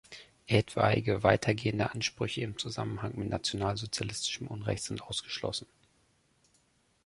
Etwaige weitergehende Ansprüche im Zusammenhang mit nationalsozialistischem Unrecht sind ausgeschlossen.